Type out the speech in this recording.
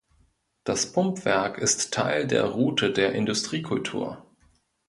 Das Pumpwerk ist Teil der Route der Industriekultur.